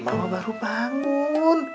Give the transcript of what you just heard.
mama baru bangun